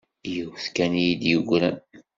Yiwet kan i yi-d-yegran.